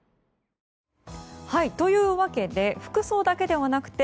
というわけで服装だけではなくて